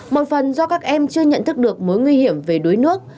một phần do các em chưa nhận thức được mối nguy hiểm về đuối nước